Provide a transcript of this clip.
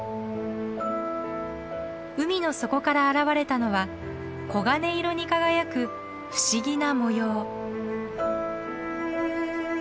海の底から現れたのは黄金色に輝く不思議な模様。